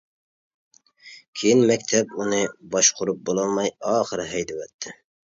كېيىن مەكتەپ ئۇنى باشقۇرۇپ بولالماي ئاخىر ھەيدىۋەتتى.